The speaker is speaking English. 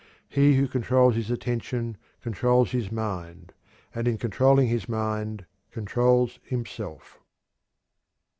He who controls his attention controls his mind, and in controlling his mind controls himself.